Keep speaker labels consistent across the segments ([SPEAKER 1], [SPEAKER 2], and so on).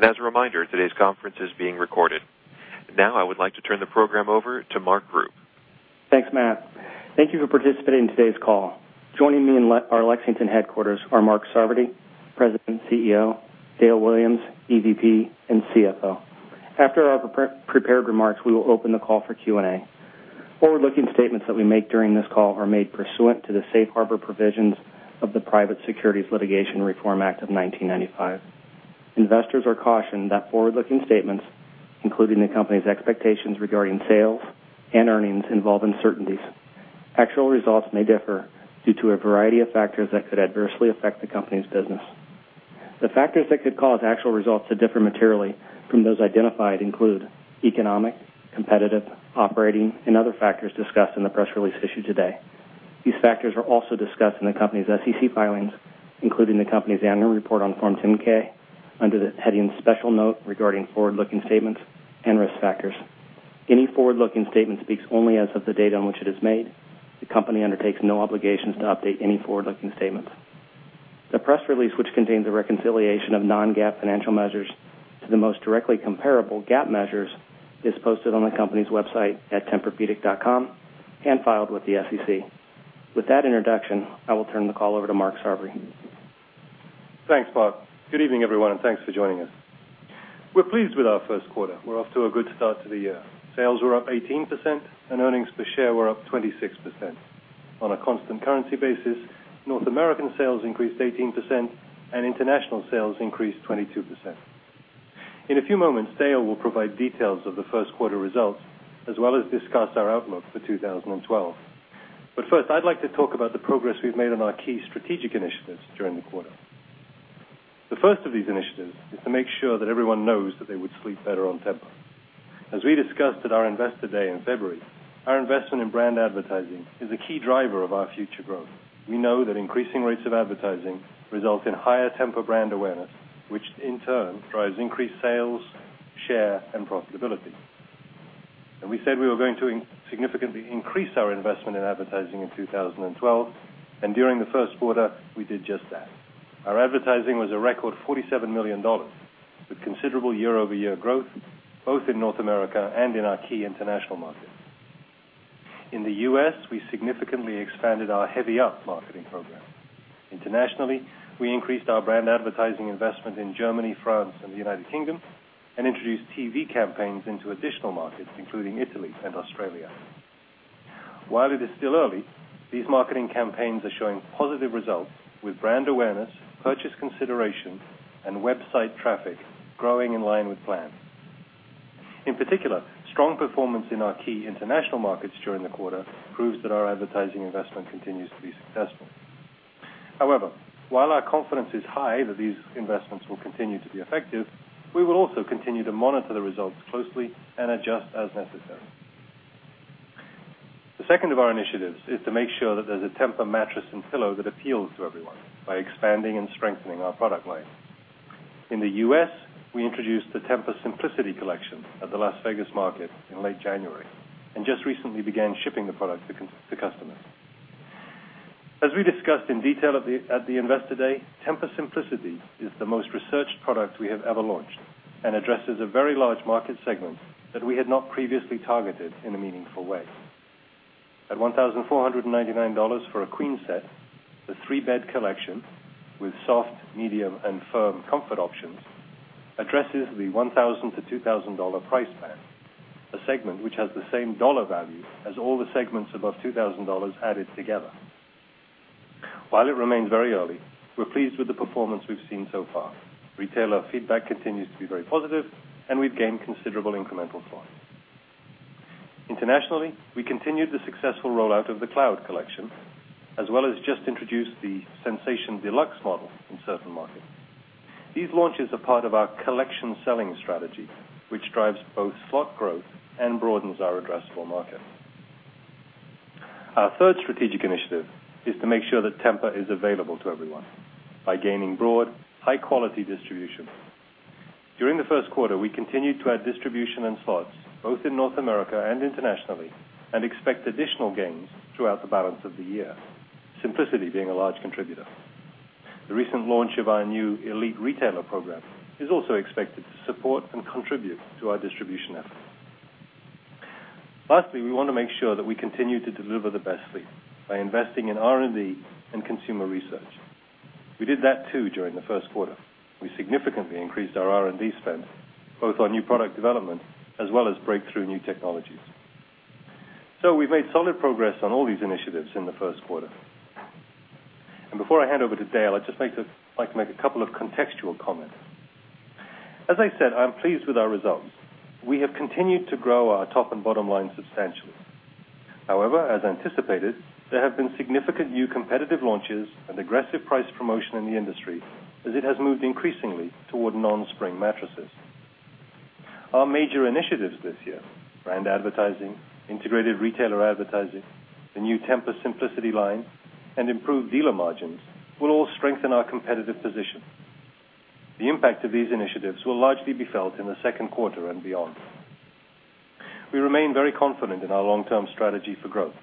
[SPEAKER 1] As a reminder, today's conference is being recorded. I would like to turn the program over to Mark Rupe.
[SPEAKER 2] Thanks, Matt. Thank you for participating in today's call. Joining me in our Lexington headquarters are Mark Sarvary, President and CEO, Dale Williams, EVP and CFO. After our prepared remarks, we will open the call for Q&A. Forward-looking statements that we make during this call are made pursuant to the Safe Harbor provisions of the Private Securities Litigation Reform Act of 1995. Investors are cautioned that forward-looking statements, including the company's expectations regarding sales and earnings, involve uncertainties. Actual results may differ due to a variety of factors that could adversely affect the company's business. The factors that could cause actual results to differ materially from those identified include economic, competitive, operating, and other factors discussed in the press release issued today. These factors are also discussed in the company's SEC filings, including the company's annual report on Form 10-K under the heading "Special Note Regarding Forward-Looking Statements and Risk Factors." Any forward-looking statement speaks only as of the date on which it is made. The company undertakes no obligations to update any forward-looking statements. The press release, which contains a reconciliation of non-GAAP financial measures to the most directly comparable GAAP measures, is posted on the company's website at tempurpedic.com and filed with the SEC. With that introduction, I will turn the call over to Mark Sarvary.
[SPEAKER 3] Thanks, Mark. Good evening, everyone, and thanks for joining us. We're pleased with our first quarter. We're off to a good start to the year. Sales were up 18%, and earnings per share were up 26%. On a constant currency basis, North American sales increased 18%, and international sales increased 22%. In a few moments, Dale will provide details of the first quarter results, as well as discuss our outlook for 2012. First, I'd like to talk about the progress we've made on our key strategic initiatives during the quarter. The first of these initiatives is to make sure that everyone knows that they would sleep better on Tempur. As we discussed at our Investor Day in February, our investment in brand advertising is a key driver of our future growth. We know that increasing rates of advertising results in higher Tempur brand awareness, which in turn drives increased sales, share, and profitability. We said we were going to significantly increase our investment in advertising in 2012, and during the first quarter, we did just that. Our advertising was a record $47 million, with considerable year-over-year growth, both in North America and in our key international market. In the U.S., we significantly expanded our Heavy-Up marketing program. Internationally, we increased our brand advertising investment in Germany, France, and the United Kingdom, and introduced TV campaigns into additional markets, including Italy and Australia. While it is still early, these marketing campaigns are showing positive results, with brand awareness, purchase consideration, and website traffic growing in line with plan. In particular, strong performance in our key international markets during the quarter proves that our advertising investment continues to be successful. However, while our confidence is high that these investments will continue to be effective, we will also continue to monitor the results closely and adjust as necessary. The second of our initiatives is to make sure that there's a Tempur mattress and pillow that appeals to everyone by expanding and strengthening our product line. In the U.S., we introduced the Simplicity Collection at the Las Vegas Market in late January and just recently began shipping the product to customers. As we discussed in detail at the Investor Day, Simplicity is the most researched product we have ever launched and addresses a very large market segment that we had not previously targeted in a meaningful way. At $1,499 for a queen set, the three-bed collection with soft, medium, and firm comfort options addresses the $1,000-$2,000 price span, a segment which has the same dollar value as all the segments above $2,000 added together. While it remains very early, we're pleased with the performance we've seen so far. Retailer feedback continues to be very positive, and we've gained considerable incremental thrive. Internationally, we continued the successful rollout of the Cloud Collection, as well as just introduced the Sensation Deluxe model in certain markets. These launches are part of our collection selling strategy, which drives both slot growth and broadens our addressable market. Our third strategic initiative is to make sure that Tempur is available to everyone by gaining broad, high-quality distribution. During the first quarter, we continued to add distribution and slots, both in North America and internationally, and expect additional gains throughout the balance of the year, Simplicity being a large contributor. The recent launch of our new Elite Retailer program is also expected to support and contribute to our distribution effort. Lastly, we want to make sure that we continue to deliver the best fleet by investing in R&D and consumer research. We did that too during the first quarter. We significantly increased our R&D spend, both on new product development as well as breakthrough new technologies. We've made solid progress on all these initiatives in the first quarter. Before I hand over to Dale, I'd just like to make a couple of contextual comments. As I said, I'm pleased with our results. We have continued to grow our top and bottom line substantially. However, as anticipated, there have been significant new competitive launches and aggressive price promotion in the industry, as it has moved increasingly toward non-spring mattresses. Our major initiatives this year: brand advertising, integrated retailer advertising, the new Simplicity line, and improved dealer margins will all strengthen our competitive position. The impact of these initiatives will largely be felt in the second quarter and beyond. We remain very confident in our long-term strategy for growth,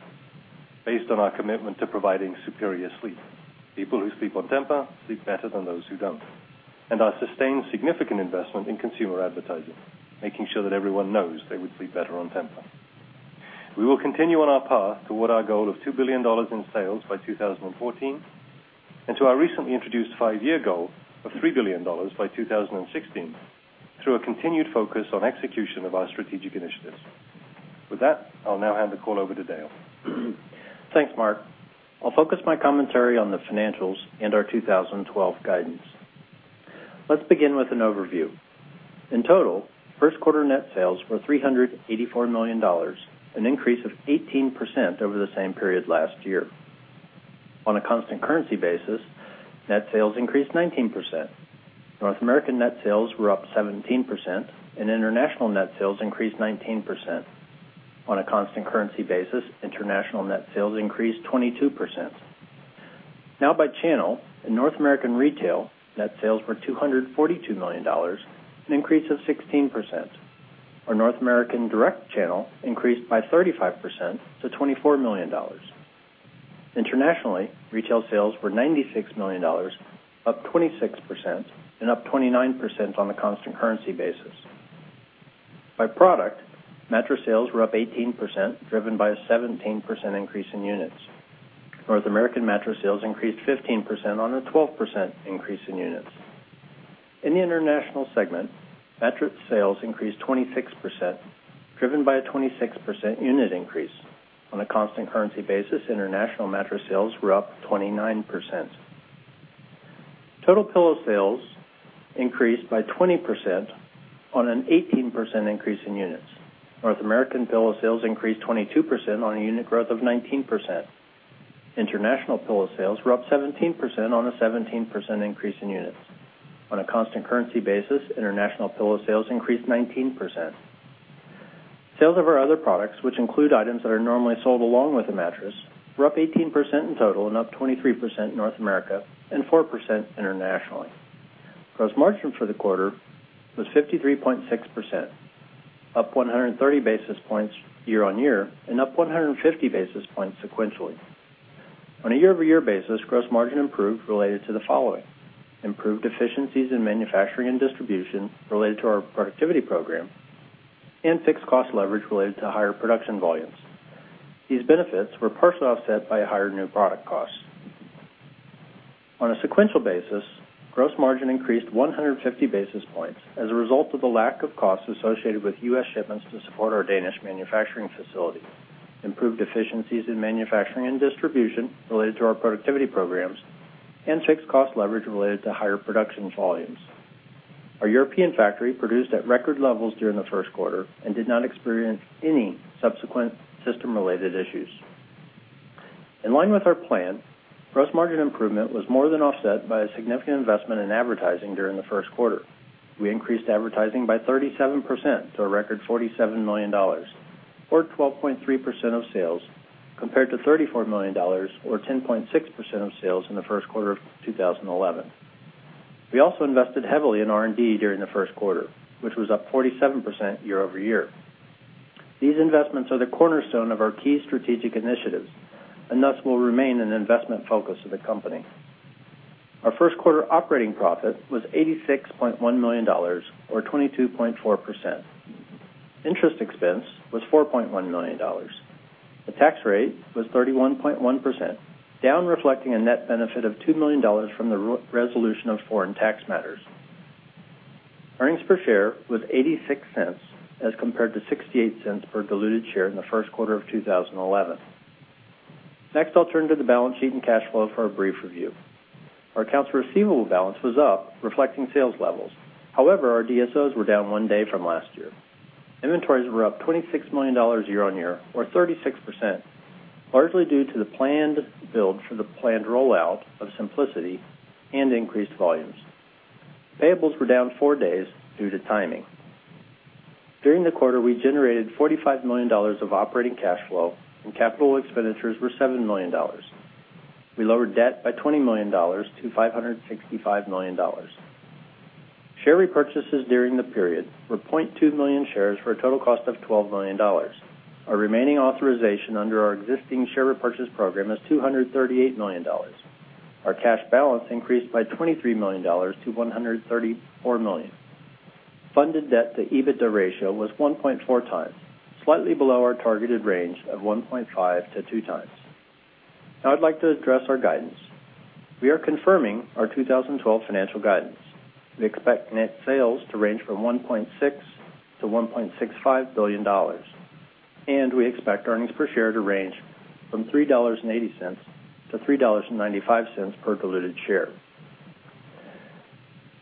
[SPEAKER 3] based on our commitment to providing superior sleep. People who sleep on Tempur sleep better than those who don't, and our sustained significant investment in consumer advertising, making sure that everyone knows they would sleep better on Tempur. We will continue on our path toward our goal of $2 billion in sales by 2014 and to our recently introduced five-year goal of $3 billion by 2016, through a continued focus on execution of our strategic initiatives. With that, I'll now hand the call over to Dale.
[SPEAKER 4] Thanks, Mark. I'll focus my commentary on the financials and our 2012 guidance. Let's begin with an overview. In total, first quarter net sales were $384 million, an increase of 18% over the same period last year. On a constant currency basis, net sales increased 19%. North American net sales were up 17%, and international net sales increased 19%. On a constant currency basis, international net sales increased 22%. By channel, in North American retail, net sales were $242 million, an increase of 16%. Our North American direct channel increased by 35%, to $24 million. Internationally, retail sales were $96 million, up 26%, and up 29% on a constant currency basis. By product, mattress sales were up 18%, driven by a 17% increase in units. North American mattress sales increased 15% on a 12% increase in units. In the international segment, mattress sales increased 26%, driven by a 26% unit increase. On a constant currency basis, international mattress sales were up 29%. Total pillow sales increased by 20% on an 18% increase in units. North American pillow sales increased 22% on a unit growth of 19%. International pillow sales were up 17% on a 17% increase in units. On a constant currency basis, international pillow sales increased 19%. Sales of our other products, which include items that are normally sold along with a mattress, were up 18% in total and up 23% in North America and 4% internationally. Gross margin for the quarter was 53.6%, up 130 basis points year on year, and up 150 basis points sequentially. On a year-over-year basis, gross margin improved related to the following: improved efficiencies in manufacturing and distribution related to our productivity program and fixed cost leverage related to higher production volumes. These benefits were partially offset by a higher new product cost. On a sequential basis, gross margin increased 150 basis points as a result of the lack of costs associated with U.S. shipments to support our Danish manufacturing facility, improved efficiencies in manufacturing and distribution related to our productivity programs, and fixed cost leverage related to higher production volumes. Our European factory produced at record levels during the first quarter and did not experience any subsequent system-related issues. In line with our plan, gross margin improvement was more than offset by a significant investment in advertising during the first quarter. We increased advertising by 37% to a record $47 million, or 12.3% of sales, compared to $34 million, or 10.6% of sales in the first quarter of 2011. We also invested heavily in R&D during the first quarter, which was up 47% year over year. These investments are the cornerstone of our key strategic initiatives and thus will remain an investment focus of the company. Our first quarter operating profit was $86.1 million, or 22.4%. Interest expense was $4.1 million. The tax rate was 31.1%, down reflecting a net benefit of $2 million from the resolution of foreign tax matters. Earnings per share was $0.86 as compared to $0.68 per diluted share in the first quarter of 2011. Next, I'll turn to the balance sheet and cash flow for a brief review. Our accounts receivable balance was up, reflecting sales levels. However, our DSOs were down one day from last year. Inventories were up $26 million year on year, or 36%, largely due to the planned build for the planned rollout of Simplicity and increased volumes. Payables were down four days due to timing. During the quarter, we generated $45 million of operating cash flow, and capital expenditures were $7 million. We lowered debt by $20 million to $565 million. Share repurchases during the period were 0.2 million shares for a total cost of $12 million. Our remaining authorization under our existing share repurchase program is $238 million. Our cash balance increased by $23 million to $134 million. Funded debt to EBITDA ratio was 1.4x, slightly below our targeted range of 1.5x-2x. Now, I'd like to address our guidance. We are confirming our 2012 financial guidance. We expect net sales to range from $1.6 billion-$1.65 billion, and we expect earnings per share to range from $3.80-$3.95 per diluted share.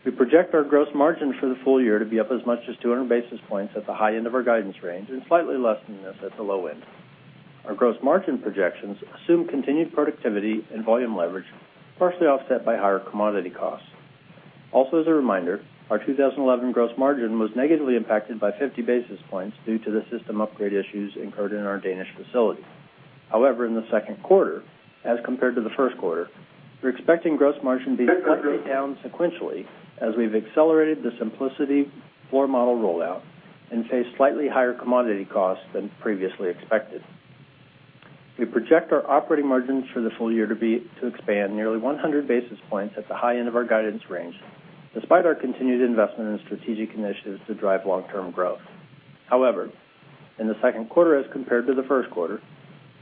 [SPEAKER 4] We project our gross margin for the full year to be up as much as 200 basis points at the high end of our guidance range and slightly less than this at the low end. Our gross margin projections assume continued productivity and volume leverage, partially offset by higher commodity costs. Also, as a reminder, our 2011 gross margin was negatively impacted by 50 basis points due to the system upgrade issues incurred in our Danish facility. However, in the second quarter, as compared to the first quarter, we're expecting gross margin to be slightly down sequentially as we've accelerated the Simplicity floor model rollout and face slightly higher commodity costs than previously expected. We project our operating margins for the full year to expand nearly 100 basis points at the high end of our guidance range, despite our continued investment in strategic initiatives to drive long-term growth. However, in the second quarter, as compared to the first quarter,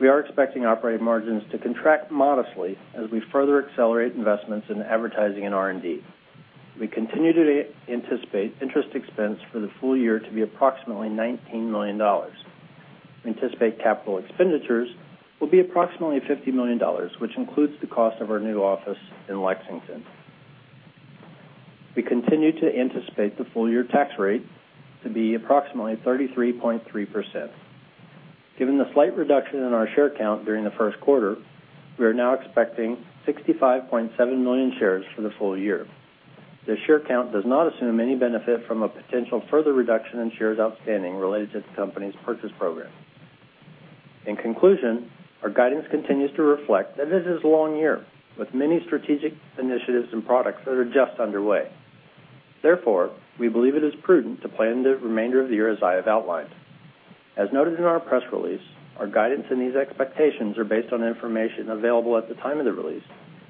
[SPEAKER 4] we are expecting operating margins to contract modestly as we further accelerate investments in advertising and R&D. We continue to anticipate interest expense for the full year to be approximately $19 million. We anticipate capital expenditures will be approximately $50 million, which includes the cost of our new office in Lexington. We continue to anticipate the full year tax rate to be approximately 33.3%. Given the slight reduction in our share count during the first quarter, we are now expecting 65.7 million shares for the full year. This share count does not assume any benefit from a potential further reduction in shares outstanding related to the company's purchase program. In conclusion, our guidance continues to reflect that it is a long year with many strategic initiatives and products that are just underway. Therefore, we believe it is prudent to plan the remainder of the year as I have outlined. As noted in our press release, our guidance and these expectations are based on information available at the time of the release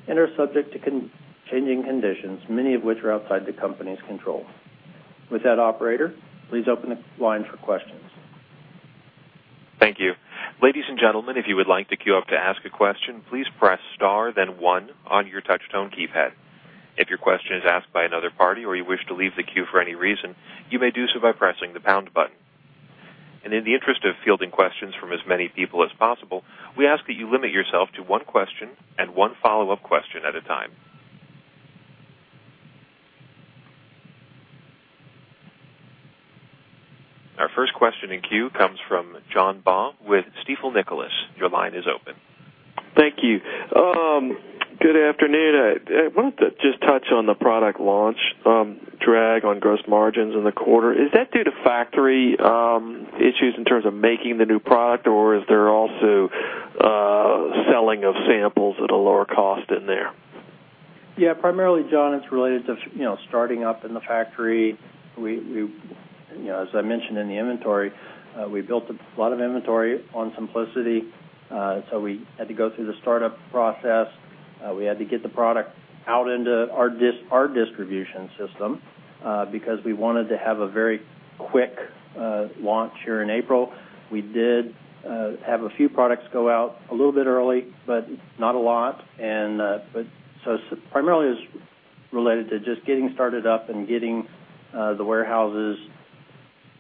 [SPEAKER 4] and are subject to changing conditions, many of which are outside the company's control. With that, operator, please open the line for questions.
[SPEAKER 1] Thank you. Ladies and gentlemen, if you would like to queue up to ask a question, please press star, then one on your touch-tone keypad. If your question is asked by another party or you wish to leave the queue for any reason, you may do so by pressing the pound button. In the interest of fielding questions from as many people as possible, we ask that you limit yourself to one question and one follow-up question at a time. Our first question in queue comes from John Baugh with Stifel Nicolaus. Your line is open.
[SPEAKER 5] Thank you. Good afternoon. I wanted to just touch on the product launch, drag on gross margins in the quarter. Is that due to factory issues in terms of making the new product, or is there also selling of samples at a lower cost in there?
[SPEAKER 4] Yeah, primarily, John, it's related to starting up in the factory. As I mentioned in the inventory, we built a lot of inventory on Simplicity, so we had to go through the startup process. We had to get the product out into our distribution system, because we wanted to have a very quick launch here in April. We did have a few products go out a little bit early, but not a lot. Primarily, it's related to just getting started up and getting the warehouses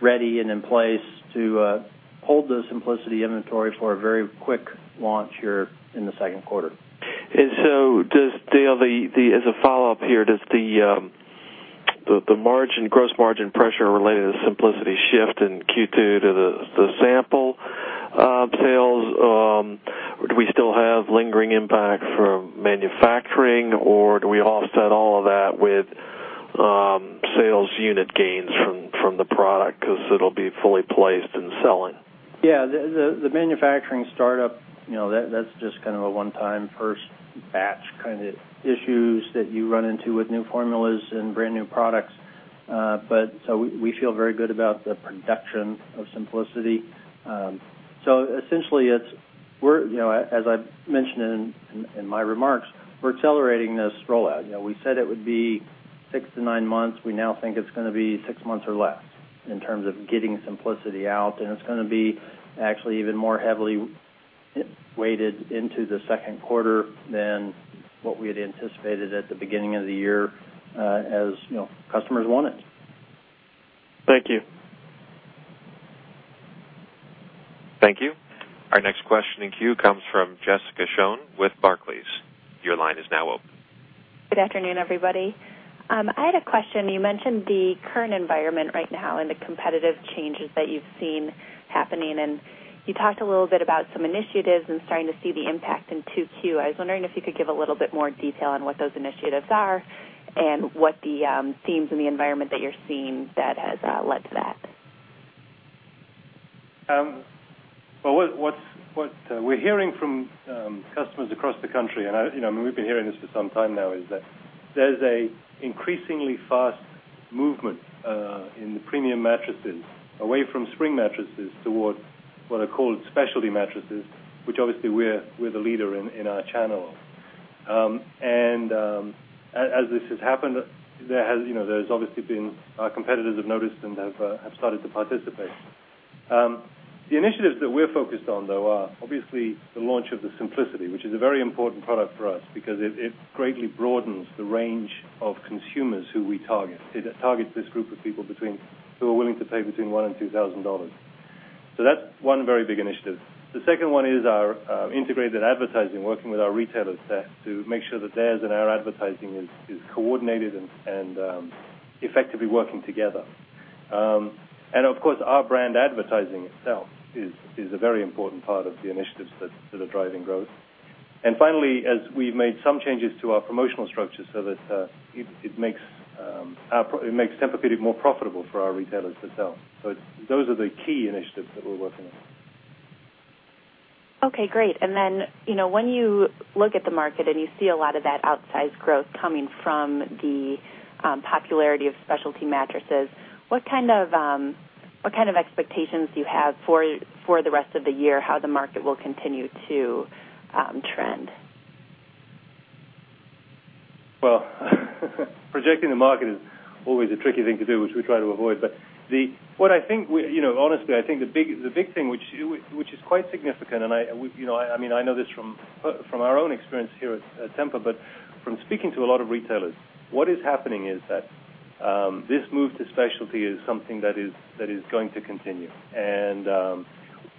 [SPEAKER 4] ready and in place to hold the Simplicity inventory for a very quick launch here in the second quarter.
[SPEAKER 5] Does the gross margin pressure related to the Simplicity shift in Q2 tie to the sample sales, or do we still have lingering impact for manufacturing, or do we offset all of that with sales unit gains from the product because it'll be fully placed in selling?
[SPEAKER 4] Yeah, the manufacturing startup, you know, that's just kind of a one-time first batch kind of issues that you run into with new formulas and brand new products. We feel very good about the production of Simplicity. Essentially, as I mentioned in my remarks, we're accelerating this rollout. You know, we said it would be six to nine months. We now think it's going to be six months or less in terms of getting Simplicity out, and it's going to be actually even more heavily weighted into the second quarter than what we had anticipated at the beginning of the year, as customers wanted.
[SPEAKER 5] Thank you.
[SPEAKER 1] Thank you. Our next question in queue comes from Jessica Schoen with Barclays. Your line is now open.
[SPEAKER 6] Good afternoon, everybody. I had a question. You mentioned the current environment right now and the competitive changes that you've seen happening, and you talked a little bit about some initiatives and starting to see the impact in 2Q. I was wondering if you could give a little bit more detail on what those initiatives are and what the themes in the environment that you're seeing that has led to that.
[SPEAKER 3] What we're hearing from customers across the country, and I mean, we've been hearing this for some time now, is that there's an increasingly fast movement in the premium mattresses away from spring mattresses toward what are called specialty mattresses, which obviously we're the leader in, in our channel. As this has happened, our competitors have noticed and have started to participate. The initiatives that we're focused on, though, are obviously the launch of the Simplicity, which is a very important product for us because it greatly broadens the range of consumers who we target. It targets this group of people who are willing to pay between $1,000-$2,000. That's one very big initiative. The second one is our integrated advertising, working with our retailers there to make sure that theirs and our advertising is coordinated and effectively working together. Of course, our brand advertising itself is a very important part of the initiatives that are driving growth. Finally, we've made some changes to our promotional structure so that it makes Tempur-Pedic more profitable for our retailers to sell. Those are the key initiatives that we're working on.
[SPEAKER 6] Okay, great. When you look at the market and you see a lot of that outsized growth coming from the popularity of specialty mattresses, what kind of expectations do you have for the rest of the year, how the market will continue to trend?
[SPEAKER 3] Projecting the market is always a tricky thing to do, which we try to avoid. What I think we, you know, honestly, I think the big thing, which is quite significant, and I, you know, I mean, I know this from our own experience here at Tempur, but from speaking to a lot of retailers, what is happening is that this move to specialty is something that is going to continue.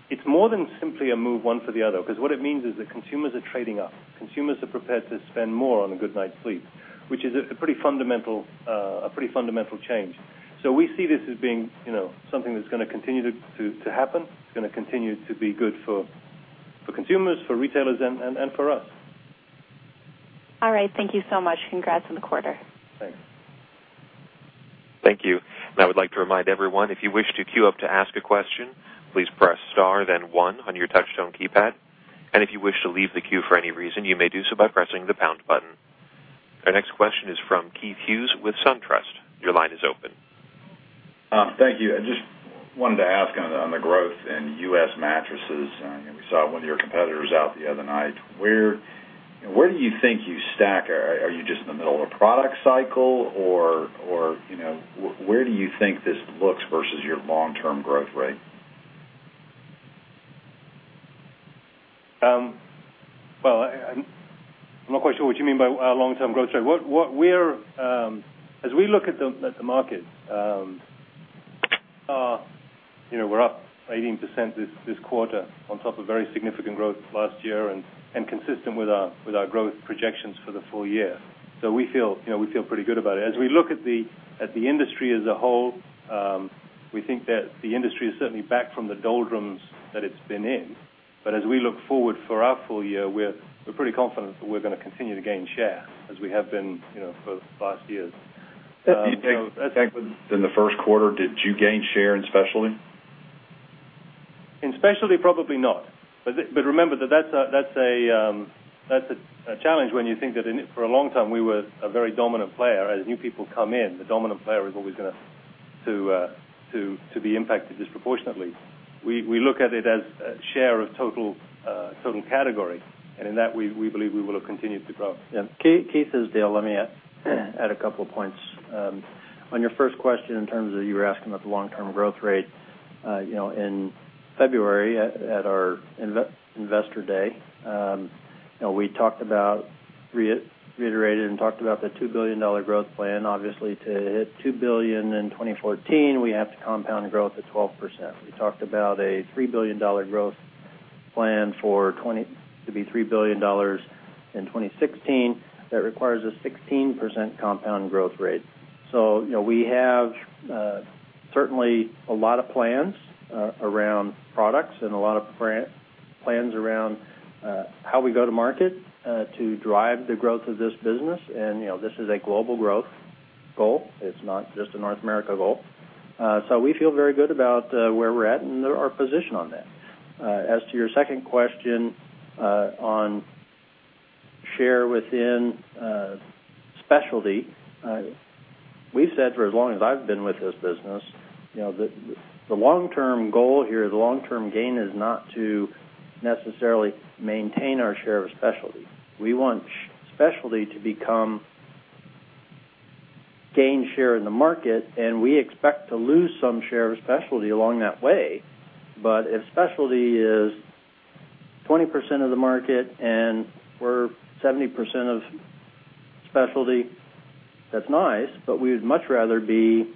[SPEAKER 3] It's more than simply a move one for the other, because what it means is that consumers are trading up. Consumers are prepared to spend more on a good night's sleep, which is a pretty fundamental, a pretty fundamental change. We see this as being, you know, something that's going to continue to happen. It's going to continue to be good for consumers, for retailers, and for us.
[SPEAKER 6] All right. Thank you so much. Congrats on the quarter.
[SPEAKER 3] Thanks.
[SPEAKER 1] Thank you. I would like to remind everyone, if you wish to queue up to ask a question, please press star, then one on your touch-tone keypad. If you wish to leave the queue for any reason, you may do so by pressing the pound button. Our next question is from Keith Hughes with SunTrust. Your line is open.
[SPEAKER 7] Thank you. I just wanted to ask on the growth in U.S. mattresses. We saw one of your competitors out the other night. Where do you think you stack? Are you just in the middle of a product cycle, or where do you think this looks versus your long-term growth rate?
[SPEAKER 3] I'm not quite sure what you mean by a long-term growth rate. As we look at the market, we're up 18% this quarter on top of very significant growth last year, and consistent with our growth projections for the full year. We feel pretty good about it. As we look at the industry as a whole, we think that the industry is certainly back from the doldrums that it's been in. As we look forward for our full year, we're pretty confident that we're going to continue to gain share as we have been for the last year.
[SPEAKER 7] Exactly. In the first quarter, did you gain share in specialty?
[SPEAKER 3] In specialty, probably not. Remember that that's a challenge when you think that in it for a long time, we were a very dominant player. As new people come in, the dominant player is always going to be impacted disproportionately. We look at it as a share of total category, and in that, we believe we will have continued to grow.
[SPEAKER 4] Yeah. Keith, this is Dale. Let me add a couple of points. On your first question in terms of you were asking about the long-term growth rate, in February at our Investor Day, we talked about, reiterated and talked about the $2 billion growth plan. Obviously, to hit $2 billion in 2014, we have to compound the growth at 12%. We talked about a $3 billion growth plan for 2016 to be $3 billion in 2016. That requires a 16% compound growth rate. We have certainly a lot of plans around products and a lot of plans around how we go to market to drive the growth of this business. This is a global growth goal. It's not just a North America goal. We feel very good about where we're at and our position on that. As to your second question, on share within specialty, we've said for as long as I've been with this business, the long-term goal here, the long-term gain is not to necessarily maintain our share of specialty. We want specialty to become gain share in the market, and we expect to lose some share of specialty along that way. If specialty is 20% of the market and we're 70% of specialty, that's nice, but we would much rather be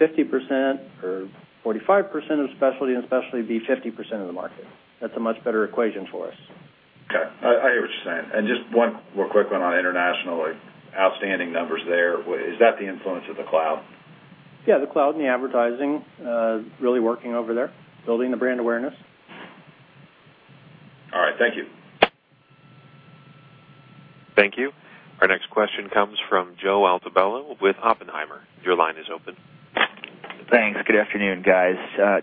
[SPEAKER 4] 50% or 45% of specialty and specialty be 50% of the market. That's a much better equation for us.
[SPEAKER 7] Okay. I hear what you're saying. Just one more quick one on international, like outstanding numbers there. Is that the influence of the cloud?
[SPEAKER 4] Yeah, the cloud and the advertising are really working over there, building the brand awareness.
[SPEAKER 7] All right. Thank you.
[SPEAKER 1] Thank you. Our next question comes from Joe Altobello with Oppenheimer. Your line is open.
[SPEAKER 8] Thanks. Good afternoon, guys.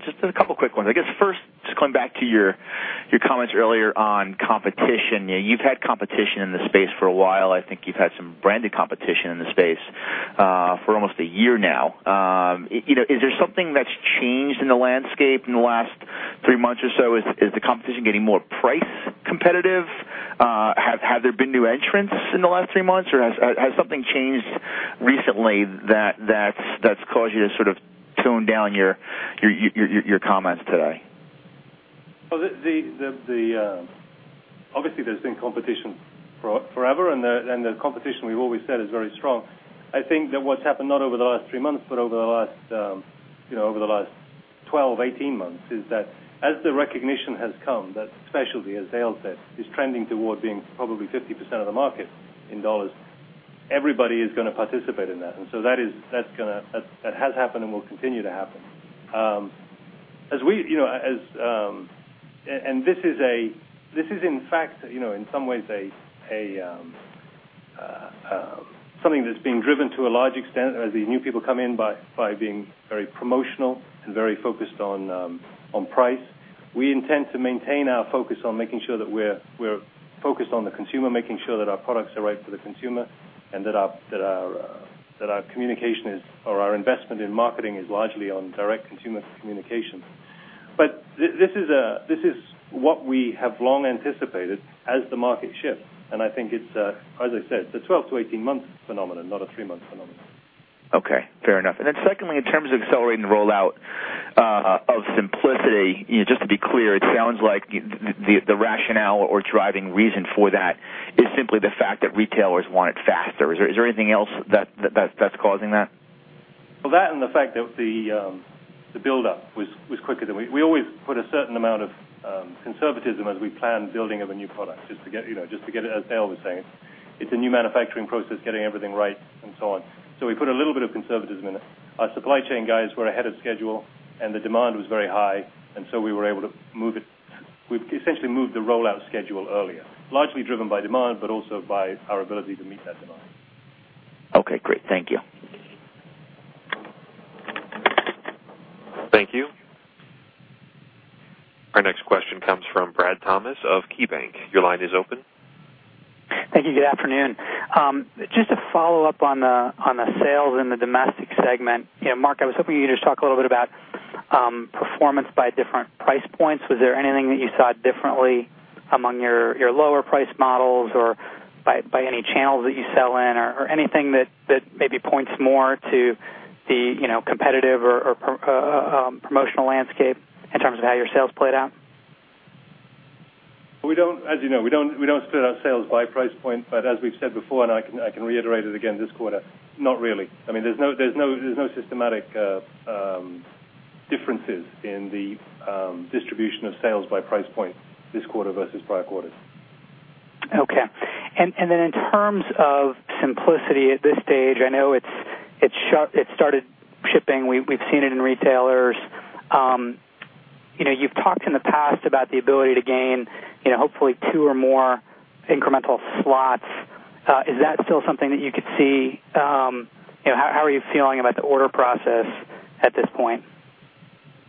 [SPEAKER 8] Just a couple of quick ones. I guess first, just going back to your comments earlier on competition. You know, you've had competition in the space for a while. I think you've had some branded competition in the space for almost a year now. You know, is there something that's changed in the landscape in the last three months or so? Is the competition getting more price competitive? Have there been new entrants in the last three months, or has something changed recently that's caused you to sort of tone down your comments today?
[SPEAKER 3] Obviously, there's been competition forever, and the competition we've always said is very strong. I think that what's happened, not over the last three months, but over the last 12-18 months, is that as the recognition has come that specialty, as Dale says, is trending toward being probably 50% of the market in dollars, everybody is going to participate in that. That is going to, that has happened and will continue to happen as we, you know, as, and this is in fact, you know, in some ways, something that's being driven to a large extent as the new people come in by being very promotional and very focused on price. We intend to maintain our focus on making sure that we're focused on the consumer, making sure that our products are right for the consumer, and that our communication is, or our investment in marketing is largely on direct consumer communication. This is what we have long anticipated as the market shift. I think it's, as I said, it's a 12-18 month phenomenon, not a three-month phenomenon.
[SPEAKER 8] Okay. Fair enough. Secondly, in terms of accelerating the rollout of Simplicity, just to be clear, it sounds like the rationale or driving reason for that is simply the fact that retailers want it faster. Is there anything else that's causing that?
[SPEAKER 3] The buildup was quicker than we always put a certain amount of conservatism as we plan building of a new product. Just to get, you know, just to get it, as Dale was saying, it's a new manufacturing process, getting everything right, and so on. We put a little bit of conservatism in it. Our supply chain guys were ahead of schedule, and the demand was very high, and we were able to move it. We've essentially moved the rollout schedule earlier, largely driven by demand, but also by our ability to meet that demand.
[SPEAKER 8] Okay, great. Thank you.
[SPEAKER 1] Thank you. Our next question comes from Brad Thomas of KeyBanc. Your line is open.
[SPEAKER 9] Thank you. Good afternoon. Just to follow up on the sales in the domestic segment, you know, Mark, I was hoping you could just talk a little bit about performance by different price points. Was there anything that you saw differently among your lower price models or by any channels that you sell in, or anything that maybe points more to the competitive or promotional landscape in terms of how your sales played out?
[SPEAKER 3] We don't split our sales by price point, but as we've said before, and I can reiterate it again this quarter, not really. I mean, there's no systematic differences in the distribution of sales by price point this quarter versus prior quarters.
[SPEAKER 9] Okay. In terms of Simplicity at this stage, I know it started shipping. We've seen it in retailers. You know, you've talked in the past about the ability to gain, you know, hopefully two or more incremental slots. Is that still something that you could see? You know, how are you feeling about the order process at this point?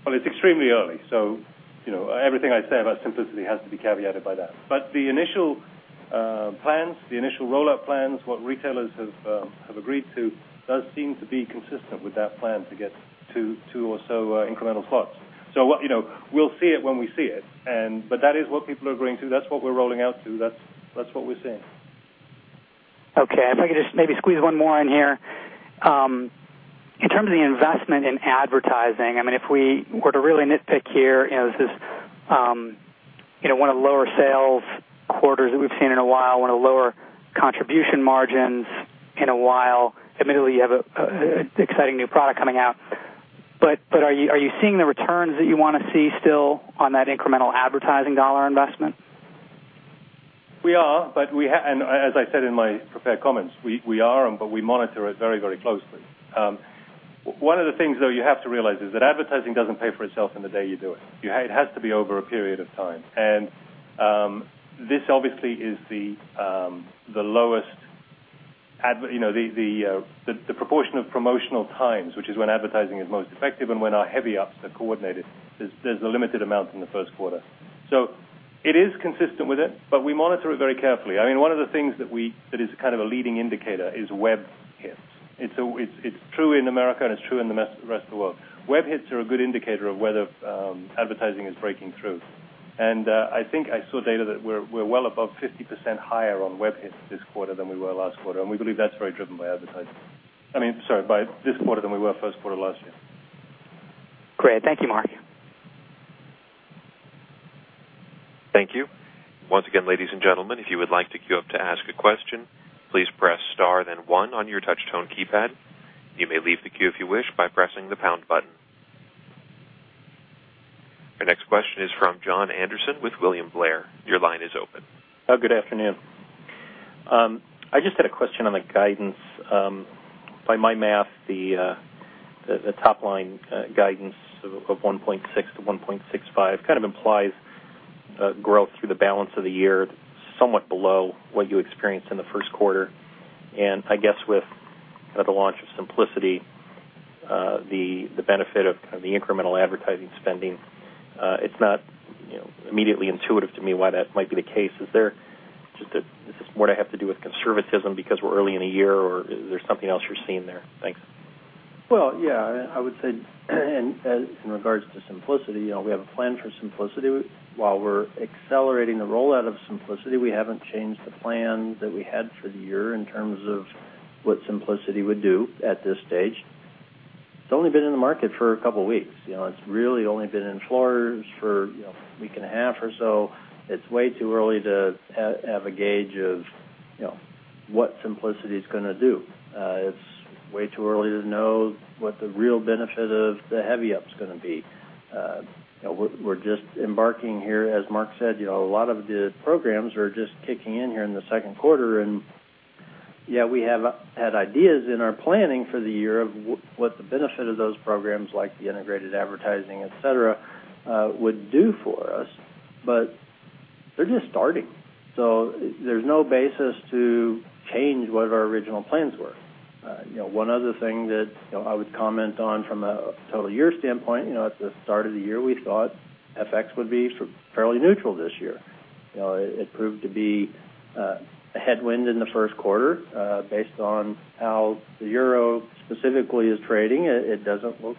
[SPEAKER 3] It's extremely early, so everything I say about Simplicity has to be caveated by that. The initial plans, the initial rollout plans, what retailers have agreed to does seem to be consistent with that plan to get two or so incremental slots. We'll see it when we see it, and that is what people are agreeing to. That's what we're rolling out to. That's what we're seeing.
[SPEAKER 9] Okay. If I could just maybe squeeze one more in here. In terms of the investment in advertising, I mean, if we were to really nitpick here, this is one of the lower sales quarters that we've seen in a while, one of the lower contribution margins in a while. Admittedly, you have an exciting new product coming out. Are you seeing the returns that you want to see still on that incremental advertising dollar investment?
[SPEAKER 3] We are, but we have, and as I said in my prepared comments, we are, but we monitor it very, very closely. One of the things you have to realize is that advertising doesn't pay for itself in the day you do it. It has to be over a period of time. This obviously is the lowest proportion of promotional times, which is when advertising is most effective and when our heavy-ups are coordinated. There's a limited amount in the first quarter. It is consistent with it, but we monitor it very carefully. One of the things that is kind of a leading indicator is web hits. It's true in America and it's true in the rest of the world. Web hits are a good indicator of whether advertising is breaking through. I think I saw data that we're well above 50% higher on web hits this quarter than we were last quarter, and we believe that's very driven by advertising. Sorry, by this quarter than we were first quarter last year.
[SPEAKER 9] Great. Thank you, Mark.
[SPEAKER 1] Thank you. Once again, ladies and gentlemen, if you would like to queue up to ask a question, please press star, then one on your touch-tone keypad. You may leave the queue if you wish by pressing the pound button. Our next question is from Jon Andersen with William Blair. Your line is open.
[SPEAKER 10] Good afternoon. I just had a question on the guidance. By my math, the top line guidance of $1.6 billion-$1.65 billion kind of implies growth through the balance of the year somewhat below what you experienced in the first quarter. I guess with the launch of Simplicity, the benefit of the incremental advertising spending, it's not immediately intuitive to me why that might be the case. Is this more to have to do with conservatism because we're early in the year, or is there something else you're seeing there? Thanks.
[SPEAKER 4] I would say, as in regards to Simplicity, we have a plan for Simplicity. While we're accelerating the rollout of Simplicity, we haven't changed the plan that we had for the year in terms of what Simplicity would do at this stage. It's only been in the market for a couple of weeks. It's really only been on floors for a week and a half or so. It's way too early to have a gauge of what Simplicity is going to do. It's way too early to know what the real benefit of the heavy-up is going to be. We're just embarking here, as Mark said, a lot of the programs are just kicking in here in the second quarter. We have had ideas in our planning for the year of what the benefit of those programs like the integrated advertising, etc., would do for us. They're just starting. There's no basis to change what our original plans were. One other thing that I would comment on from a total year standpoint, at the start of the year, we thought FX would be fairly neutral this year. It proved to be a headwind in the first quarter, based on how the Euro specifically is trading. It doesn't look,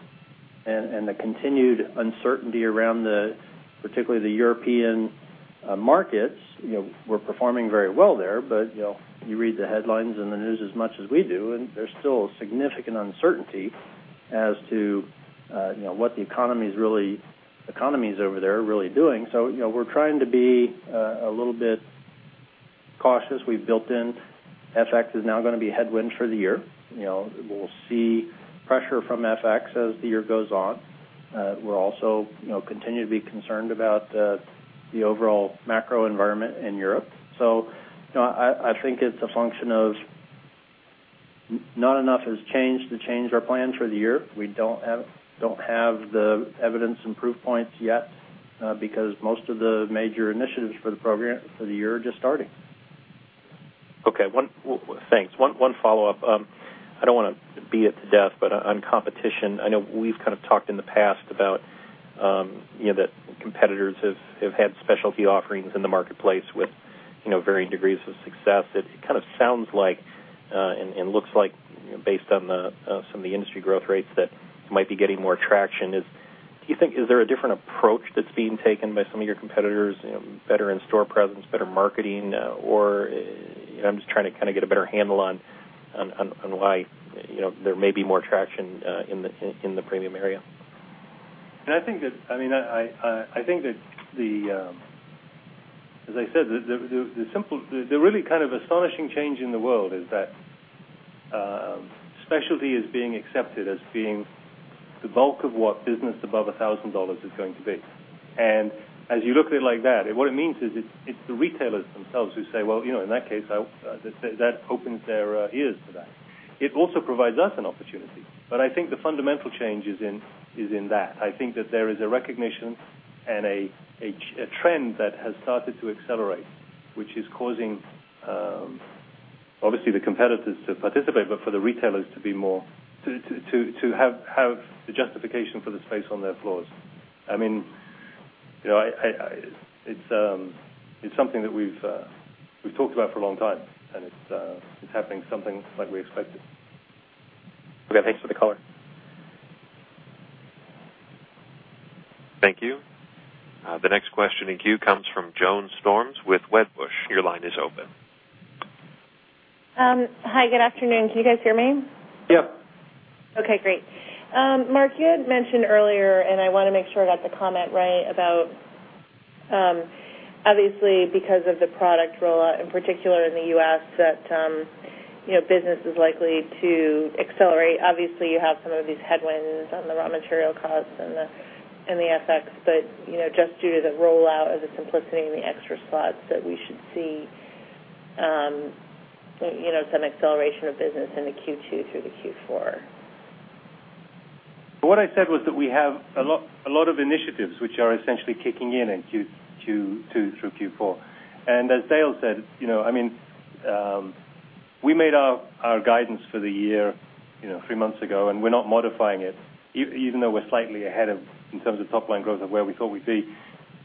[SPEAKER 4] and the continued uncertainty around the, particularly the European, markets, we're performing very well there, but you read the headlines in the news as much as we do, and there's still significant uncertainty as to what the economies over there are really doing. We're trying to be a little bit cautious. We built in FX is now going to be a headwind for the year. We'll see pressure from FX as the year goes on. We'll also continue to be concerned about the overall macro environment in Europe. I think it's a function of not enough has changed to change our plans for the year. We don't have the evidence and proof points yet, because most of the major initiatives for the program for the year are just starting.
[SPEAKER 10] Thanks. I don't want to beat it to death, but on competition, I know we've kind of talked in the past about, you know, that competitors have had specialty offerings in the marketplace with varying degrees of success. It kind of sounds like, and looks like, based on some of the industry growth rates, that might be getting more traction. Do you think there is a different approach that's being taken by some of your competitors, better in-store presence, better marketing, or, you know, I'm just trying to kind of get a better handle on why there may be more traction in the premium area?
[SPEAKER 3] I think that the really kind of astonishing change in the world is that specialty is being accepted as being the bulk of what business above $1,000 is going to be. As you look at it like that, what it means is it's the retailers themselves who say, in that case, that opens their ears to that. It also provides us an opportunity. I think the fundamental change is in that. I think that there is a recognition and a trend that has started to accelerate, which is causing, obviously, the competitors to participate, for the retailers to be more, to have the justification for the space on their floors. It's something that we've talked about for a long time, and it's happening something like we expected.
[SPEAKER 10] Okay. Thanks for the caller.
[SPEAKER 1] Thank you. The next question in queue comes from Joan Storms with Wedbush. Your line is open.
[SPEAKER 11] Hi. Good afternoon. Can you guys hear me?
[SPEAKER 3] Yep.
[SPEAKER 11] Okay, great. Mark, you had mentioned earlier, and I want to make sure I got the comment right about, obviously because of the product rollout, in particular in the U.S., that, you know, business is likely to accelerate. Obviously, you have some of these headwinds on the raw material costs and the, and the FX, but, you know, just due to the rollout of the Simplicity and the extra slots that we should see, you know, some acceleration of business into Q2 through to Q4.
[SPEAKER 3] What I said was that we have a lot of initiatives which are essentially kicking in in Q2 through Q4. As Dale said, you know, we made our guidance for the year three months ago, and we're not modifying it, even though we're slightly ahead of, in terms of top line growth, where we thought we'd be.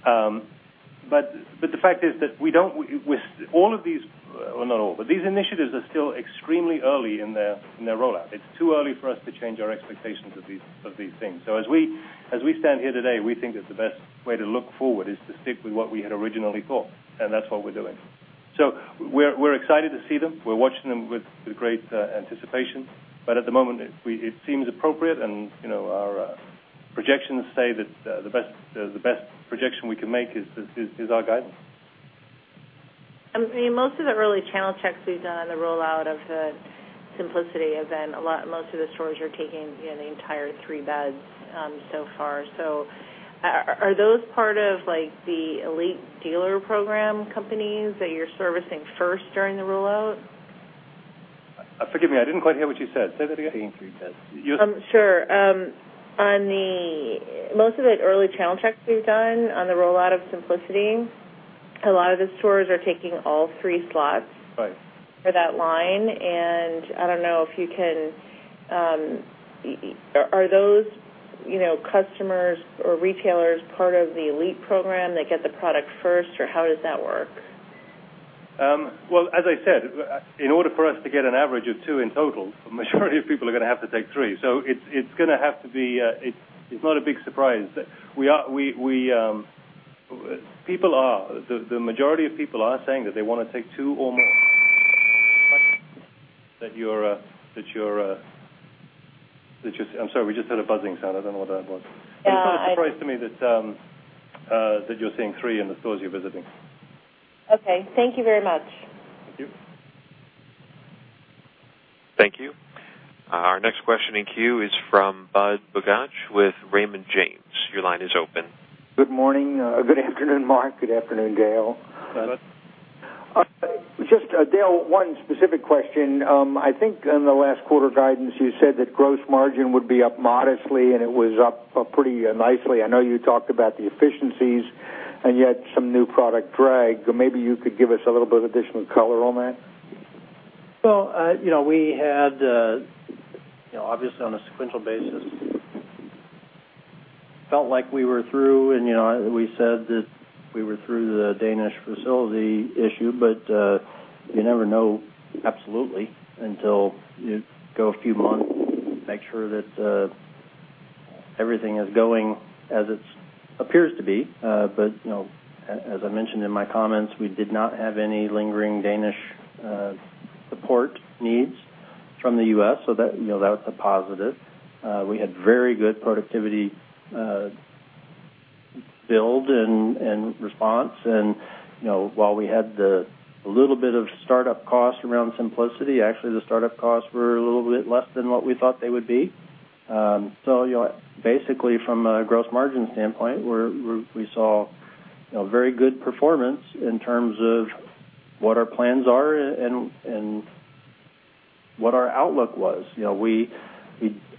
[SPEAKER 3] The fact is that these initiatives are still extremely early in their rollout. It's too early for us to change our expectations of these things. As we stand here today, we think that the best way to look forward is to stick with what we had originally thought. That's what we're doing. We're excited to see them. We're watching them with great anticipation. At the moment, it seems appropriate, and our projections say that the best projection we can make is this, is our guidance.
[SPEAKER 11] I mean, most of the early channel checks we've done on the rollout of the Simplicity event, most of the stores are taking the entire three beds so far. Are those part of the Elite Retailer program companies that you're servicing first during the rollout?
[SPEAKER 3] Forgive me, I didn't quite hear what you said. Say that again.
[SPEAKER 4] Saying three beds.
[SPEAKER 3] You're.
[SPEAKER 11] Sure. On the, most of the early channel checks we've done on the rollout of Simplicity, a lot of the stores are taking all three slots.
[SPEAKER 3] Nice.
[SPEAKER 11] For that line, I don't know if you can. Are those customers or retailers part of the Elite Retailer program that get the product first, or how does that work?
[SPEAKER 3] As I said, in order for us to get an average of two in total, a majority of people are going to have to take three. It is not a big surprise. The majority of people are saying that they want to take two or more. I'm sorry, we just heard a buzzing sound. I don't know what that was.
[SPEAKER 11] Yeah.
[SPEAKER 3] It's not a surprise to me that you're seeing three in the stores you're visiting.
[SPEAKER 11] Okay, thank you very much.
[SPEAKER 3] Thank you.
[SPEAKER 1] Thank you. Our next question in queue is from Budd Bugatch with Raymond James. Your line is open.
[SPEAKER 12] Good morning. Good afternoon, Mark. Good afternoon, Dale.
[SPEAKER 3] Budd.
[SPEAKER 12] Dale, one specific question. I think in the last quarter guidance, you said that gross margin would be up modestly, and it was up pretty nicely. I know you talked about the efficiencies, and yet some new product drag. Maybe you could give us a little bit of additional color on that.
[SPEAKER 4] You know, we had, obviously on a sequential basis, felt like we were through, and we said that we were through the Danish facility issue, but you never know absolutely until you go a few months, make sure that everything is going as it appears to be. As I mentioned in my comments, we did not have any lingering Danish support needs from the U.S. That was a positive. We had very good productivity, build and response. While we had a little bit of startup cost around Simplicity, actually, the startup costs were a little bit less than what we thought they would be. Basically, from a gross margin standpoint, we saw very good performance in terms of what our plans are and what our outlook was. We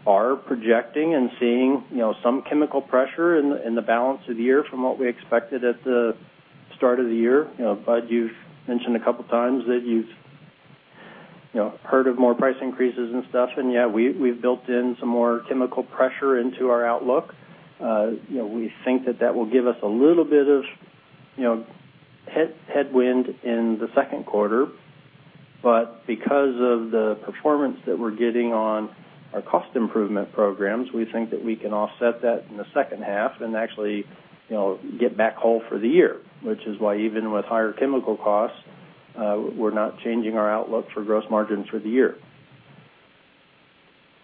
[SPEAKER 4] are projecting and seeing some chemical pressure in the balance of the year from what we expected at the start of the year. Budd, you've mentioned a couple of times that you've heard of more price increases and stuff. Yeah, we've built in some more chemical pressure into our outlook. We think that will give us a little bit of headwind in the second quarter. Because of the performance that we're getting on our cost improvement programs, we think that we can offset that in the second half and actually get back whole for the year, which is why even with higher chemical costs, we're not changing our outlook for gross margin for the year.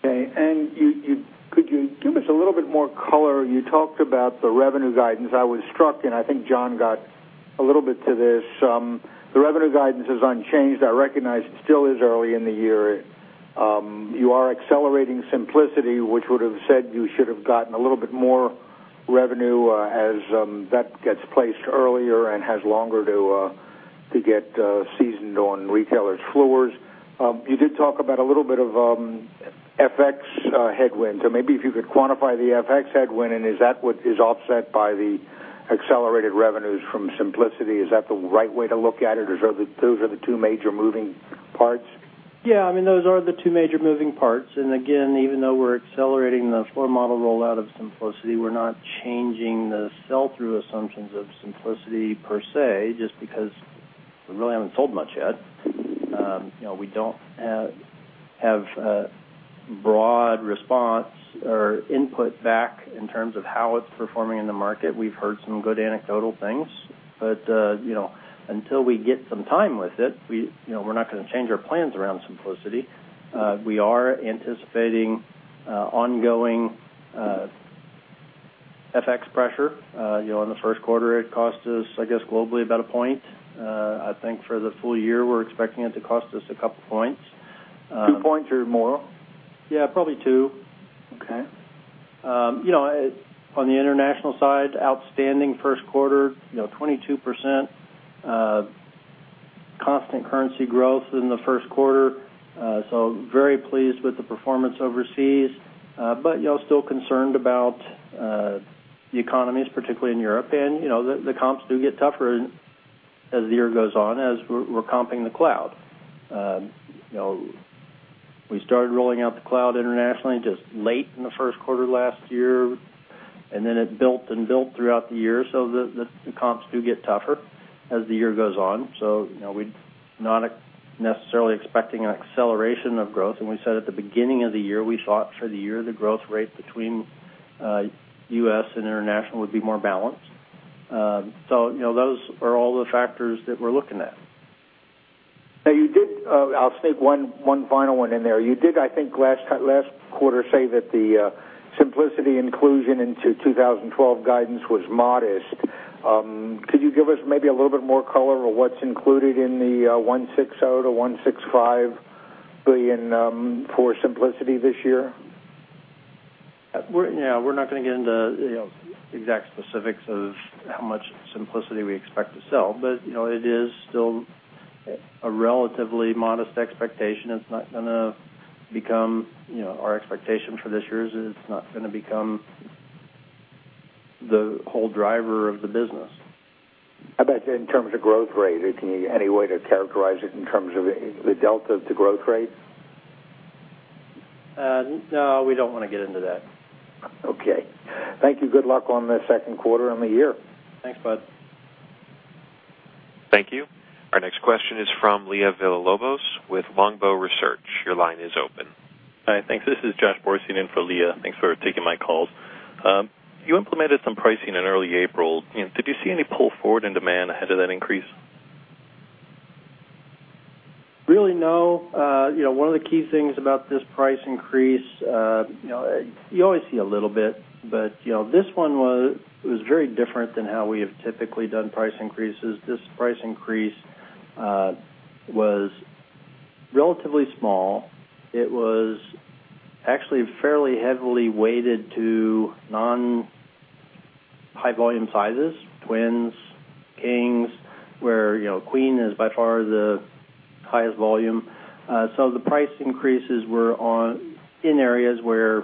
[SPEAKER 12] Okay. Could you give us a little bit more color? You talked about the revenue guidance. I was struck, and I think John got a little bit to this. The revenue guidance is unchanged. I recognize it still is early in the year. You are accelerating Simplicity, which would have said you should have gotten a little bit more revenue, as that gets placed earlier and has longer to get seasoned on retailers' floors. You did talk about a little bit of FX headwind. Maybe if you could quantify the FX headwind, and is that what is offset by the accelerated revenues from Simplicity? Is that the right way to look at it? Those are the two major moving parts.
[SPEAKER 4] Yeah, I mean, those are the two major moving parts. Even though we're accelerating the floor model rollout of Simplicity, we're not changing the sell-through assumptions of Simplicity per se, just because we really haven't sold much yet. We don't have broad response or input back in terms of how it's performing in the market. We've heard some good anecdotal things. Until we get some time with it, we're not going to change our plans around Simplicity. We are anticipating ongoing FX pressure. In the first quarter, it cost us, I guess, globally about a point. I think for the full year, we're expecting it to cost us a couple of points.
[SPEAKER 12] Two points or more?
[SPEAKER 4] Yeah, probably two.
[SPEAKER 12] Okay.
[SPEAKER 4] On the international side, outstanding first quarter, 22% constant currency growth in the first quarter. Very pleased with the performance overseas, still concerned about the economies, particularly in Europe. The comps do get tougher as the year goes on, as we're comping the cloud. We started rolling out the cloud internationally just late in the first quarter last year, and then it built and built throughout the year. The comps do get tougher as the year goes on. We're not necessarily expecting an acceleration of growth. We said at the beginning of the year, we thought for the year, the growth rate between U.S. and international would be more balanced. Those are all the factors that we're looking at.
[SPEAKER 12] You did, I'll sneak one final one in there. You did, I think, last quarter say that the Simplicity inclusion into 2012 guidance was modest. Could you give us maybe a little bit more color on what's included in the $160 million-$165 million for Simplicity this year?
[SPEAKER 4] Yeah, we're not going to get into the exact specifics of how much Simplicity we expect to sell. It is still a relatively modest expectation. It's not going to become, you know, our expectation for this year is that it's not going to become the whole driver of the business.
[SPEAKER 12] In terms of growth rate, can you get any way to characterize it in terms of the delta to growth rate?
[SPEAKER 4] No, we don't want to get into that.
[SPEAKER 12] Okay. Thank you. Good luck on the second quarter and the year.
[SPEAKER 4] Thanks, Budd.
[SPEAKER 1] Thank you. Our next question is from Leah Villalobos with Longbow Research. Your line is open.
[SPEAKER 13] Hi, thanks. This is Josh Borstein in for Leah. Thanks for taking my calls. You implemented some pricing in early April. Did you see any pull forward in demand ahead of that increase?
[SPEAKER 4] Really, no. One of the key things about this price increase, you always see a little bit, but this one was very different than how we have typically done price increases. This price increase was relatively small. It was actually fairly heavily weighted to non-high volume sizes, twins, kings, where queen is by far the highest volume. The price increases were in areas where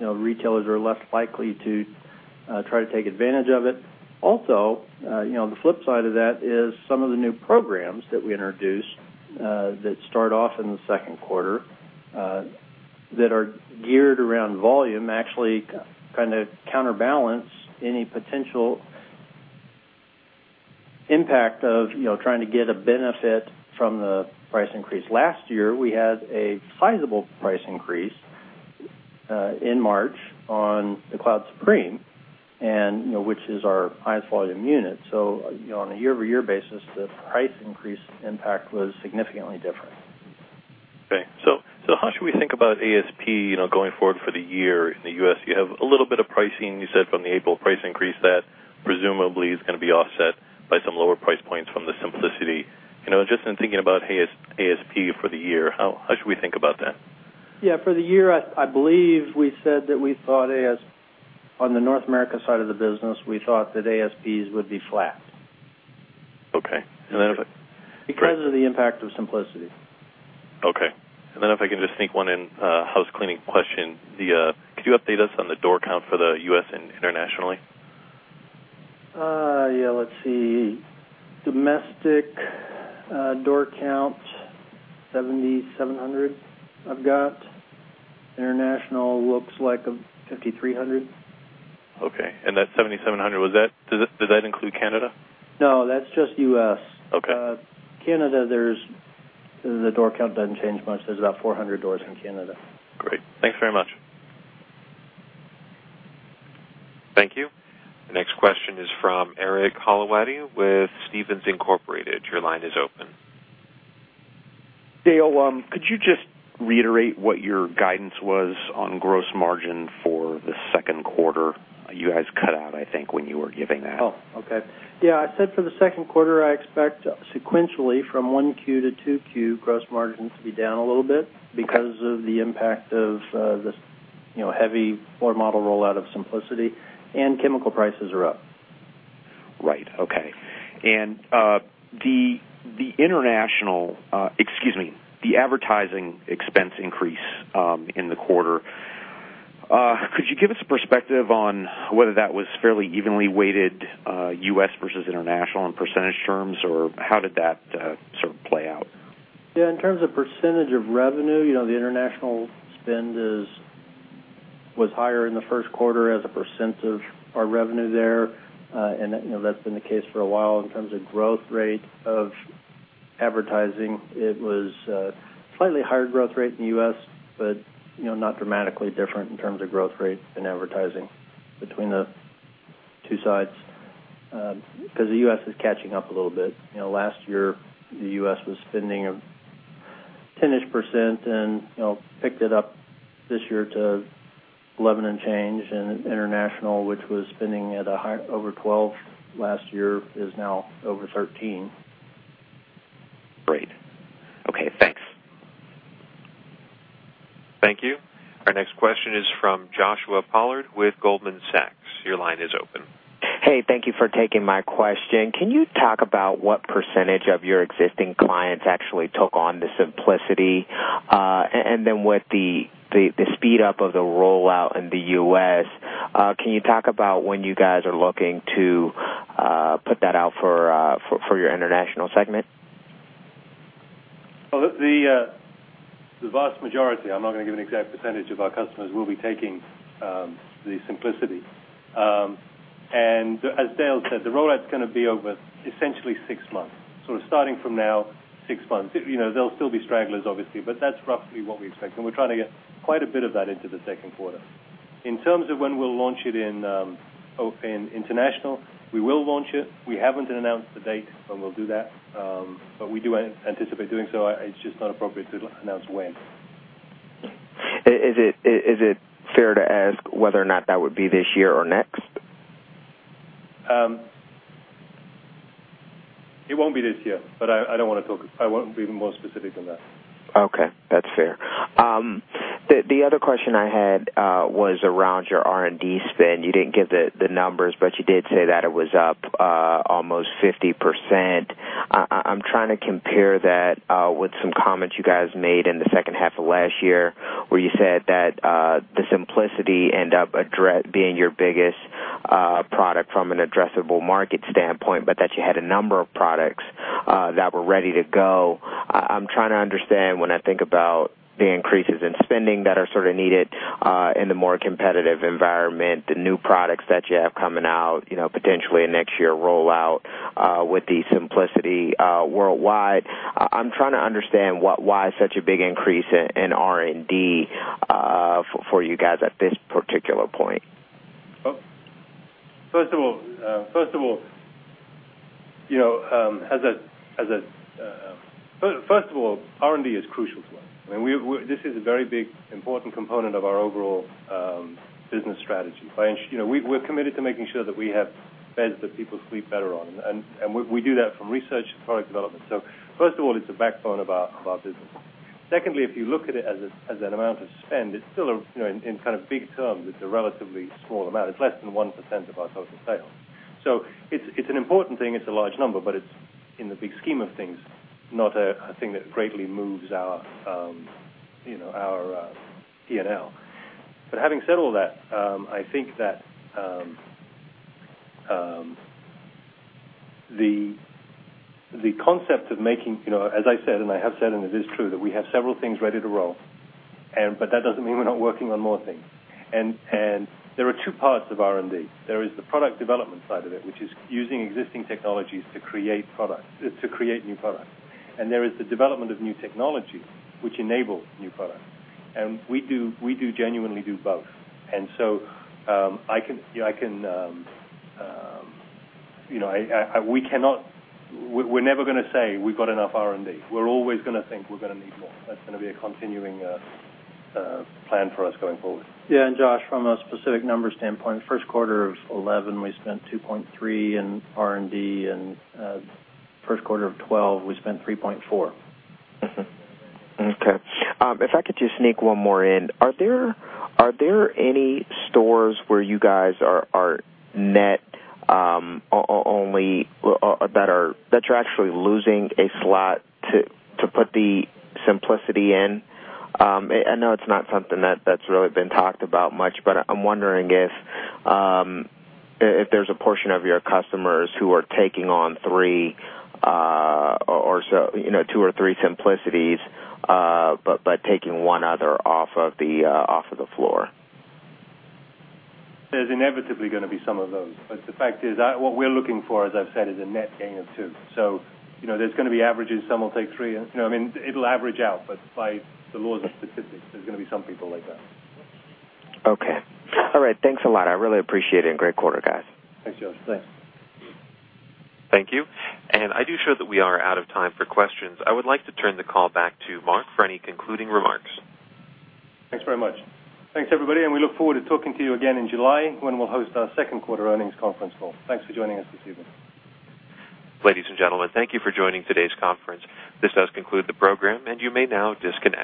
[SPEAKER 4] retailers are less likely to try to take advantage of it. Also, the flip side of that is some of the new programs that we introduced that start off in the second quarter that are geared around volume actually kind of counterbalance any potential impact of trying to get a benefit from the price increase. Last year, we had a sizable price increase in March on the Cloud Supreme, which is our highest volume unit. On a year-over-year basis, the price increase impact was significantly different.
[SPEAKER 13] How should we think about ASP, you know, going forward for the year in the U.S.? You have a little bit of pricing, you said, from the April price increase that presumably is going to be offset by some lower price points from the Simplicity. Just in thinking about ASP for the year, how should we think about that?
[SPEAKER 4] For the year, I believe we said that we thought ASP on the North America side of the business, we thought that ASPs would be flat.
[SPEAKER 13] Okay.
[SPEAKER 4] Because of the impact of Simplicity.
[SPEAKER 13] Okay. If I can just sneak one in, house cleaning question, could you update us on the door count for the U.S. and internationally?
[SPEAKER 4] Let's see. Domestic door count, 7,700 I've got. International looks like 5,300.
[SPEAKER 13] Okay. That 7,700, does that include Canada?
[SPEAKER 4] No, that's just U.S.
[SPEAKER 13] Okay.
[SPEAKER 4] Canada, the door count doesn't change much. There's about 400 doors in Canada.
[SPEAKER 13] Great. Thanks very much.
[SPEAKER 1] Thank you. The next question is from Eric Hollowaty with Stephens Inc. Your line is open.
[SPEAKER 14] Dale, could you just reiterate what your guidance was on gross margin for the second quarter? You guys cut out, I think, when you were giving that.
[SPEAKER 4] Oh, okay. Yeah, I said for the second quarter, I expect sequentially from 1Q to 2Q, gross margin to be down a little bit because of the impact of this, you know, heavy floor model rollout of Simplicity. Chemical prices are up.
[SPEAKER 14] Right. Okay. The international, excuse me, the advertising expense increase in the quarter, could you give us a perspective on whether that was fairly evenly weighted, U.S. versus international in percentage terms, or how did that sort of play out?
[SPEAKER 4] Yeah, in terms of percentage of revenue, the international spend was higher in the first quarter as a % of our revenue there. That's been the case for a while. In terms of growth rate of advertising, it was a slightly higher growth rate in the U.S., but not dramatically different in terms of growth rate in advertising between the two sides, because the U.S. is catching up a little bit. Last year, the U.S. was spending a 10% and picked it up this year to 11% and change. International, which was spending at a high over 12% last year, is now over 13%.
[SPEAKER 14] Great. Okay, thanks.
[SPEAKER 1] Thank you. Our next question is from Joshua Pollard with Goldman Sachs. Your line is open.
[SPEAKER 15] Thank you for taking my question. Can you talk about what percentage of your existing clients actually took on the Simplicity, and then with the speed-up of the rollout in the U.S., can you talk about when you guys are looking to put that out for your international segment?
[SPEAKER 3] The vast majority, I'm not going to give an exact percentage, of our customers will be taking the Simplicity. As Dale said, the rollout is going to be over essentially six months, so starting from now, six months. There'll still be stragglers, obviously, but that's roughly what we expect, and we're trying to get quite a bit of that into the second quarter. In terms of when we'll launch it in international, we will launch it. We haven't announced the date when we'll do that, but we do anticipate doing so. It's just not appropriate to announce when.
[SPEAKER 15] Is it fair to ask whether or not that would be this year or next?
[SPEAKER 3] It won't be this year, but I don't want to talk if I won't be more specific than that.
[SPEAKER 15] Okay. That's fair. The other question I had was around your R&D spend. You didn't give the numbers, but you did say that it was up almost 50%. I'm trying to compare that with some comments you guys made in the second half of last year, where you said that the Simplicity ended up being your biggest product from an addressable market standpoint, but that you had a number of products that were ready to go. I'm trying to understand when I think about the increases in spending that are sort of needed in the more competitive environment, the new products that you have coming out, potentially in next year rollout with the Simplicity, worldwide. I'm trying to understand why such a big increase in R&D for you guys at this particular point.
[SPEAKER 3] R&D is crucial to us. This is a very big, important component of our overall business strategy. We're committed to making sure that we have beds that people sleep better on, and we do that from research to product development. It is the backbone of our business. Secondly, if you look at it as an amount of spend, in big terms, it's a relatively small amount. It's less than 1% of our total sales. It's an important thing. It's a large number, but in the big scheme of things, not a thing that greatly moves our P&L. Having said all that, the concept of making, as I said, and I have said, and it is true that we have several things ready to roll, that doesn't mean we're not working on more things. There are two parts of R&D. There is the product development side of it, which is using existing technologies to create new product, and there is the development of new technology, which enables new product. We genuinely do both. We cannot, we're never going to say we've got enough R&D. We're always going to think we're going to need more. That's going to be a continuing plan for us going forward.
[SPEAKER 4] Yeah, Josh, from a specific number standpoint, the first quarter of 2011, we spent $2.3 million in R&D, and the first quarter of 2012, we spent $3.4 million.
[SPEAKER 15] Okay. If I could just sneak one more in, are there any stores where you guys are net only, that you're actually losing a slot to put the Simplicity in? I know it's not something that's really been talked about much, but I'm wondering if there's a portion of your customers who are taking on two or three Simplicities, but taking one other off of the floor.
[SPEAKER 3] is inevitably going to be some of those. The fact is, what we're looking for, as I've said, is a net gain of two. There is going to be averages. Some will take three. It will average out, but by the laws and specifics, there is going to be some people like that.
[SPEAKER 15] Okay. All right. Thanks a lot. I really appreciate it. Great quarter, guys.
[SPEAKER 3] Thanks, Josh. Thanks.
[SPEAKER 1] Thank you. I do show that we are out of time for questions. I would like to turn the call back to Mark for any concluding remarks.
[SPEAKER 3] Thanks very much. Thanks, everybody. We look forward to talking to you again in July when we'll host our second quarter earnings conference call. Thanks for joining us this evening.
[SPEAKER 1] Ladies and gentlemen, thank you for joining today's conference. This does conclude the program, and you may now discuss.